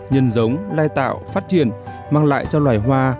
nhân giống lai tạo phát triển mang lại cho loài hoa